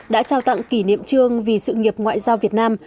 đã trao tặng kỷ niệm trương vì sự nghiệp ngoại giao việt nam